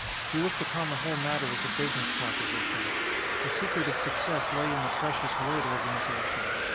He looked upon the whole matter as a business proposition. The secret of success lay in the precious word organization.